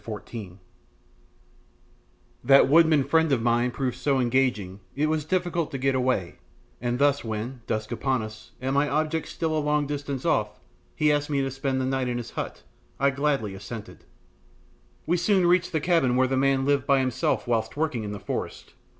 CHAPTER XIV That woodman friend of mine proved so engaging it was difficult to get away, and thus when, dusk upon us, and my object still a long distance off, he asked me to spend the night at his hut, I gladly assented. We soon reached the cabin where the man lived by himself whilst working in the forest.